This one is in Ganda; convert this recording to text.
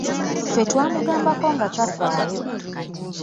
Ffe twamugambako nga tafaayo!